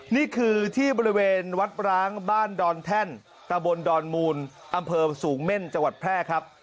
นี่คือที่บริเวณวัดร้างบ้านดอนแท่นตะบนดอนมูลอำเภอสูงเม่นจังหวัดแพร่ครับ